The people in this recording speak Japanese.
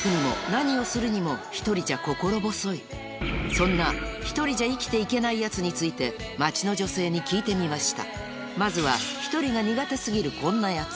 そんな１人じゃ生きていけないヤツについて街の女性に聞いてみました